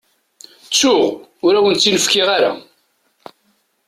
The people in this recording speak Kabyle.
Ttuɣ, ur awen-tt-in-fkiɣ ara.